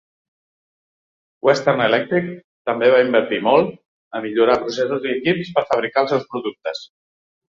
Western Electric també va invertir molt a millorar processos i equips per fabricar els seus productes.